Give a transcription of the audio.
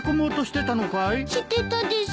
してたです。